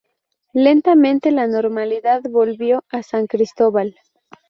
Lentamente, la normalidad volvió a San Cristóbal.